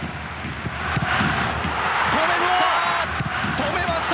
止めた！